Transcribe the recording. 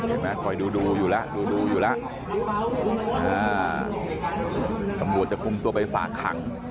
คอยดูดูอยู่แล้วดูดูอยู่แล้วตำรวจจะคุมตัวไปฝากขัง